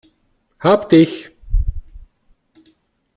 Hab dich!